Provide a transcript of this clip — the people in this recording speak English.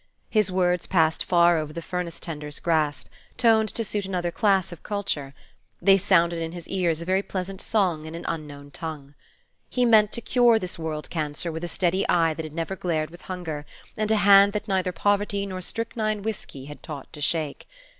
His words passed far over the furnace tender's grasp, toned to suit another class of culture; they sounded in his ears a very pleasant song in an unknown tongue. He meant to cure this world cancer with a steady eye that had never glared with hunger, and a hand that neither poverty nor strychnine whiskey had taught to shake.